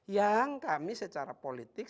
yang kami secara politik